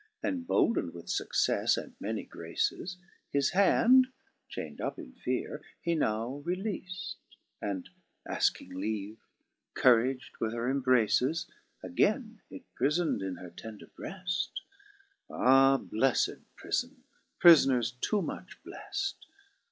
7 And, boldned with fucceiTe and many graces. His hand, chain'd up in feare, he now releaft. And aiking leave, courag'd with her imbraces, Againe it prifon*d in her tender breaft : Ah, blefled prifon ! prifners too much bleft